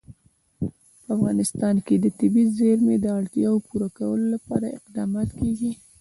په افغانستان کې د طبیعي زیرمې د اړتیاوو پوره کولو لپاره اقدامات کېږي.